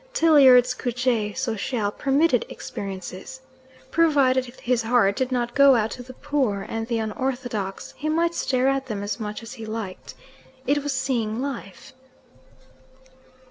Tilliard's couche sociale permitted experiences. Provided his heart did not go out to the poor and the unorthodox, he might stare at them as much as he liked. It was seeing life.